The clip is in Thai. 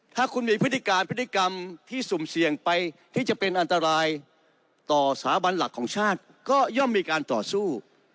ถ้าคุณมีพฤติการพฤติกรรมที่สุ่มเสี่ยงไปที่จะเป็นอันตรายต่อสถาบันหลักของชาติก็ย่อมมีการต่อสู้